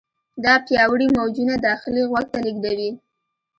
دا پیاوړي موجونه داخلي غوږ ته لیږدوي.